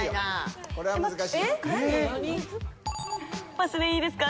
パスでいいですか？